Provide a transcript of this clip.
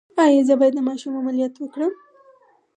ایا زه باید د ماشوم عملیات وکړم؟